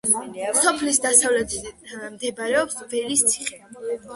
სოფლის დასავლეთით მდებარეობს ველის ციხე.